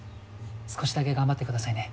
少しだけ頑張ってくださいね。